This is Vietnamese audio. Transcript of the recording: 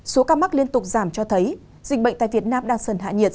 số ca mắc liên tục giảm cho thấy dịch bệnh tại việt nam đang dần hạ nhiệt